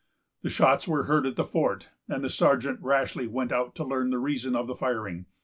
The shots were heard at the fort, and the sergeant rashly went out to learn the reason of the firing.